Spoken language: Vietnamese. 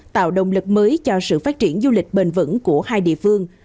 tạo động lực mới cho sự phát triển du lịch bền vững của hai địa phương